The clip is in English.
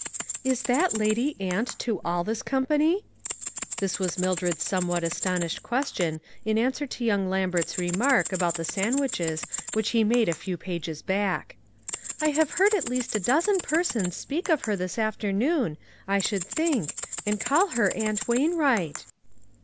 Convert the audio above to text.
"Is that lady aunt to all this company?" This was Mildred's somewhat astonished question in answer to young Lambert's re mark about the sandwiches which he made a few pages back. " I have heard at least a dozen persons speak of her this afternoon I should think, and call her Aunt Wain wright."